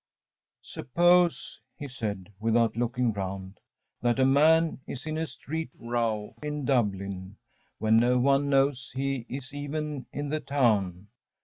‚ÄúSuppose,‚ÄĚ he said, without looking round, “that a man is in a street row in Dublin, when no one knows he is even in the town.